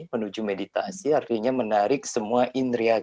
menuju meditasi artinya menarik semua inria kita